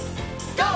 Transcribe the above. ＧＯ！